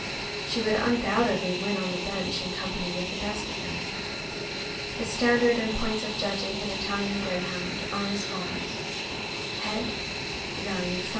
She would undoubtedly win on the bench in com pany with the best of them. The standard and points of judging an Italian Grey hound are as follows : Value. Value.